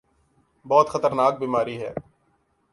بہت خطرناک بیماری ہے۔